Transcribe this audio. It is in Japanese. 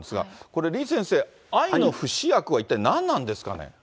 これ、李先生、愛の不死薬は一体、何なんですかね。